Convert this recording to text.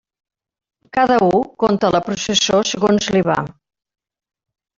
Cada u conta la processó segons li va.